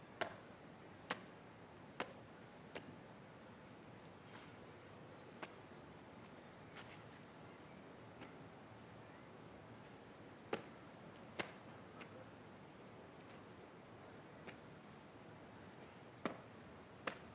laporan komandan upacara kepada inspektur upacara